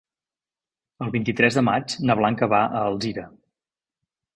El vint-i-tres de maig na Blanca va a Alzira.